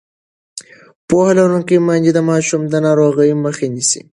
پوهه لرونکې میندې د ماشومانو د ناروغۍ مخه نیسي.